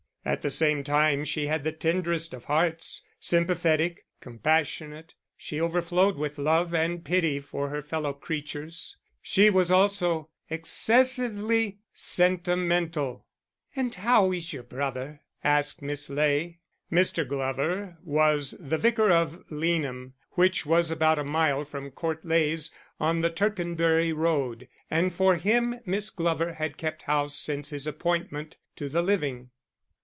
At the same time she had the tenderest of hearts, sympathetic, compassionate; she overflowed with love and pity for her fellow creatures. She was also excessively sentimental! "And how is your brother?" asked Miss Ley. Mr. Glover was the Vicar of Leanham, which was about a mile from Court Leys on the Tercanbury Road, and for him Miss Glover had kept house since his appointment to the living.